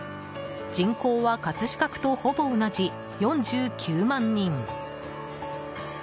人口は葛飾区とほぼ同じ４９万人。